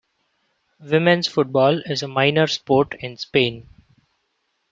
Women's football is a minor sport in Spain.